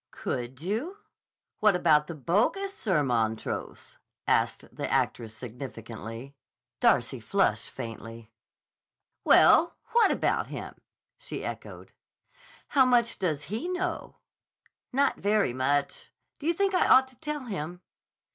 "Could you? What about the bogus Sir Montrose?" asked the actress significantly. Darcy flushed faintly. "Well, what about him?" she echoed. "How much does he know?" "Not very much. Do you think I ought to tell him?"